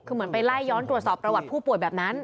คือเหมือนไปไล่ย้อนตรวจสอบประวัติผู้ป่วยแบบนั้น